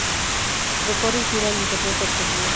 Recorre en gira el interior de Argentina.